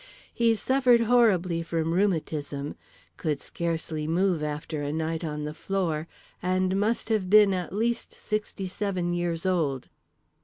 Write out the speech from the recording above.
He suffered horribly from rheumatism, could scarcely move after a night on the floor, and must have been at least sixty seven years old.